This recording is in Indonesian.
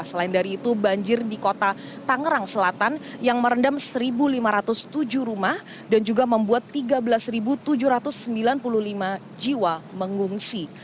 selain dari itu banjir di kota tangerang selatan yang merendam satu lima ratus tujuh rumah dan juga membuat tiga belas tujuh ratus sembilan puluh lima jiwa mengungsi